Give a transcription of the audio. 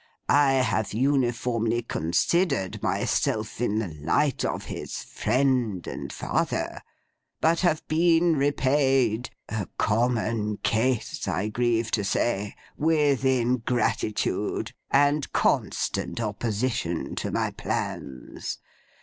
I have uniformly considered myself in the light of his Friend and Father, but have been repaid (a common case, I grieve to say) with ingratitude, and constant opposition to my plans.